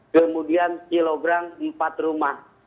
kemudian silograng empat rumah